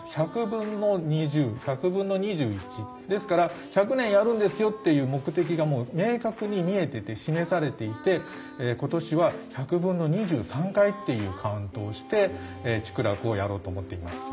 １００分の２０１００分の２１。ですから１００年やるんですよっていう目的が明確に見えてて示されていて今年は１００分の２３回っていうカウントをして竹楽をやろうと思っています。